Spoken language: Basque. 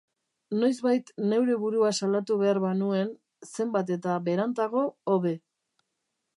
Noizbait neure burua salatu behar banuen, zenbat eta berantago hobe.